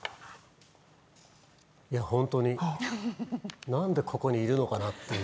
いや本当になんでここにいるのかなっていう